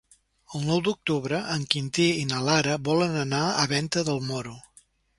El nou d'octubre en Quintí i na Lara volen anar a Venta del Moro.